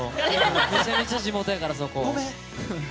めちゃめちゃ地元やから、そこ。